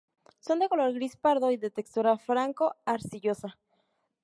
Son de color gris pardo y de textura franco-arcillosa.